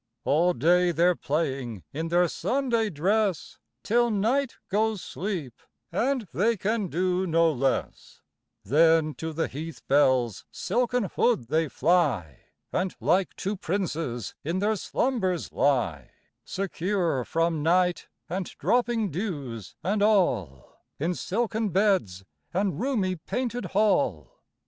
All day they're playing in their Sunday dress Till night goes sleep, and they can do no less; Then, to the heath bell's silken hood they fly, And like to princes in their slumbers lie, Secure from night, and dropping dews, and all, In silken beds and roomy painted hall.